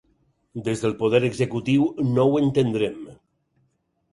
Des del poder executiu no ho entendrem.